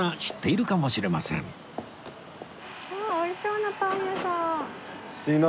わあ美味しそうなパン屋さん。